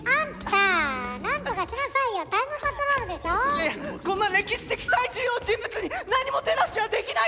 いやいやこんな歴史的最重要人物に何も手出しはできないよ！